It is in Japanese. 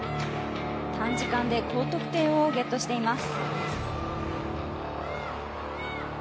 短時間で高得点をゲットしています。